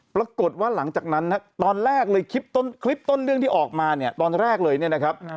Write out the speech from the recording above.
ปรากฏว่าหลังจากนั้นตอนแรกเลยคลิปต้นเรื่องที่ออกมาตอนแรกเลยนี่นะครับ